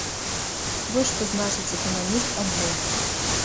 Вось што значыць эканаміст ад бога!